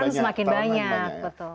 tawaran semakin banyak betul